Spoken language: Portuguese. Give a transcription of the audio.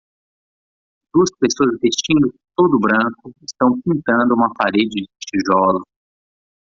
Duas pessoas vestindo todo branco estão pintando uma parede de tijolos.